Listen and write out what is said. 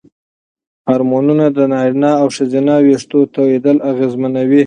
هورمونونه د نارینه او ښځینه وېښتو توېیدل اغېزمنوي.